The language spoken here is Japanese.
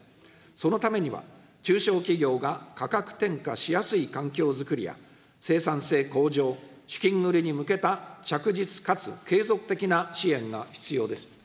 そのためには、中小企業が価格転嫁しやすい環境づくりや、生産性向上、資金繰りに向けた着実かつ継続的な支援が必要です。